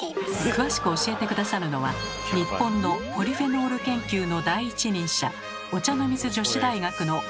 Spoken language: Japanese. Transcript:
詳しく教えて下さるのは日本のポリフェノール研究の第一人者